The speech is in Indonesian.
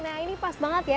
nah ini pas banget ya